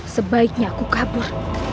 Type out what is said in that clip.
sebaiknya aku kabur